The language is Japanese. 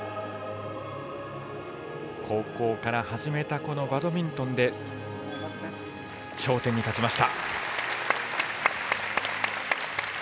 高校から始めたバドミントンで頂点に立ちました。